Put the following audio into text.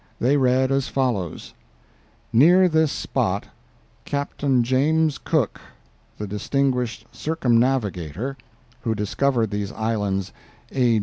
They read as follows: "Near this spot fell CAPTAIN JAMES COOK The Distinguished Circumnavigator who Discovered these islands A.